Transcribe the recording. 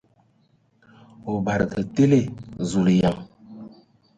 O badǝge tele ! Zulǝyaŋ!